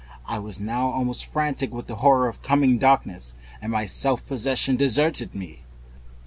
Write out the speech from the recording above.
I was now almost frantic with the horror of the coming darkness, and my self possession deserted me.